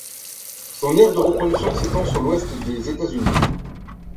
Son aire de reproduction s'étend sur l'ouest des États-Unis.